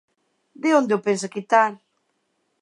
¿De onde o pensa quitar?